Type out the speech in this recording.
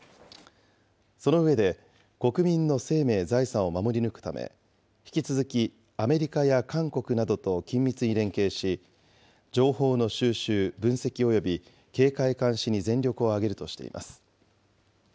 その上で、国民の生命・財産を守り抜くため、引き続きアメリカや韓国などと緊密に連携し、情報の収集・分析および警戒監視に全力を挙げるとしています。